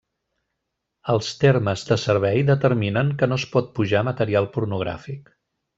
Els termes de servei determinen que no es pot pujar material pornogràfic.